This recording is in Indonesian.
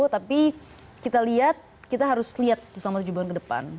tapi kita lihat kita harus lihat selama tujuh bulan ke depan